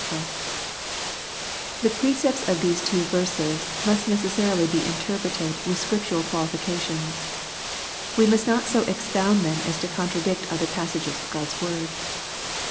] The precepts of these two verses must necessarily be interpreted with scriptural qualifications. We must not so expound them as to contradict other passages of God's word.